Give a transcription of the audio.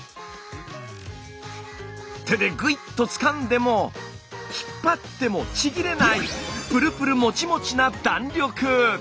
手でグイッとつかんでも引っ張ってもちぎれないプルプルもちもちな弾力！